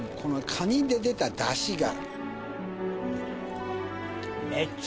カニで出ただしが。